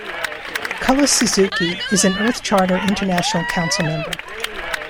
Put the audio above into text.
Cullis-Suzuki is an Earth Charter International Council Member.